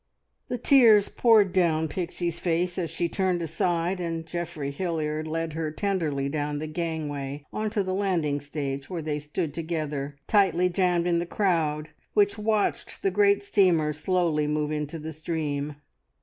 The tears poured down Pixie's face as she turned aside, and Geoffrey Hilliard led her tenderly down the gangway on to the landing stage, where they stood together, tightly jammed in the crowd which watched the great steamer slowly move into the stream.